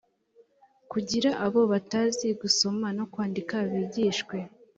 kugira abo batazi gusoma no kwandika bigishwe